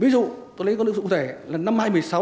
ví dụ tôi lấy con ứng dụng rẻ là năm hai nghìn một mươi sáu